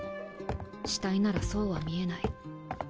死体ならそうは見えない。